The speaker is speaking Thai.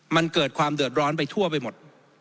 มันเกิดความเดือดร้อนไปทั่วไปหมด